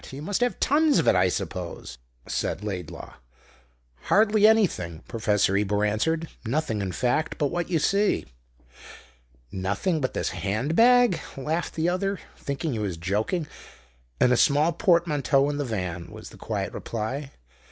You must have tons of it, I suppose?" said Laidlaw. "Hardly anything," Professor Ebor answered. "Nothing, in fact, but what you see." "Nothing but this hand bag?" laughed the other, thinking he was joking. "And a small portmanteau in the van," was the quiet reply.